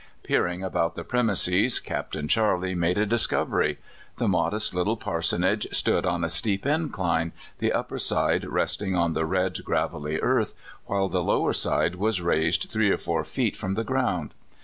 Peering about the premises, Capt. Charley made a discovery. The modest little par sonage stood on a steep incline, the upper side resting on the red, gravelly earth, while the lower side was raised three or four feet from the ground.